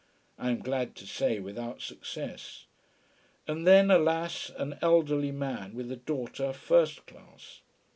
I am glad to say without success. And then, alas, an elderly man with a daughter, first class.